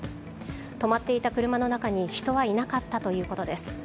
止まっていた車の中に人はいなかったということです。